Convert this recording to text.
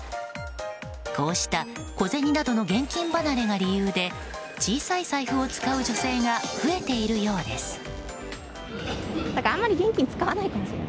こうした小銭などの現金離れが理由で小さい財布を使う女性が増えているようです。